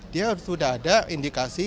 dia sudah ada indikasi